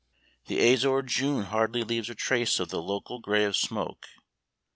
The azure June hardly leaves a trace of the local grey of smoke.